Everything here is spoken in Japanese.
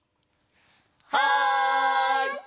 はい！